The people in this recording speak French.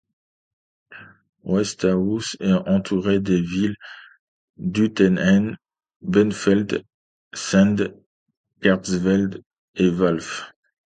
Westhouse est entourée des villages d'Uttenheim, Benfeld, Sand, Kertzfeld et Valff.